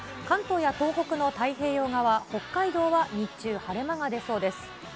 関東や東北の太平洋側、北海道は日中、晴れ間が出そうです。